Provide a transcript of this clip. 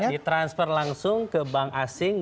ditransfer langsung ke bank asing